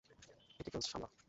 একে কেউ সামলা।